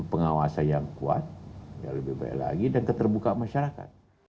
pengawasan yang kuat yang lebih baik lagi dan keterbukaan masyarakat